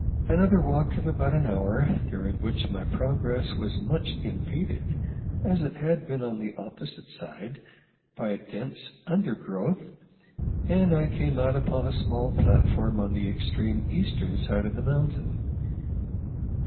Another walk of about an hour, during which my progress was much impeded, as it had been on the opposite side, by the dense undergrowth, and I came out upon a small platform on the extreme eastern side of the mountain.